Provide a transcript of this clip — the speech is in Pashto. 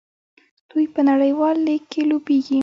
دوی په نړیوال لیګ کې لوبېږي.